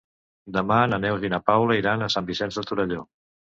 Demà na Neus i na Paula iran a Sant Vicenç de Torelló.